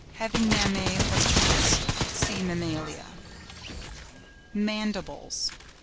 —Having mammæ or teats (see MAMMALIA). MANDIBLES.